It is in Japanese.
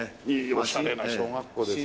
おしゃれな小学校ですよね。